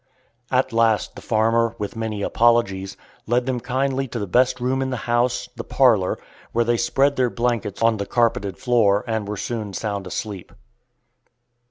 At last the farmer, with many apologies, led them kindly to the best room in the house, the parlor, where they spread their blankets on the carpeted floor and were soon sound asleep.